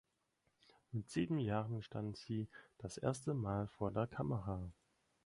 Mit sieben Jahren stand sie das erste Mal vor der Kamera.